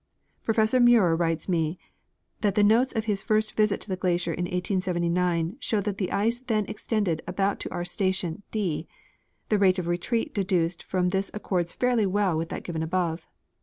Professor Muir writes me that the notes of his first visit to the glacier in 1879 show that the ice then extended about to our station D ; the rate of retreat deduced from this accords fairly well with that given above.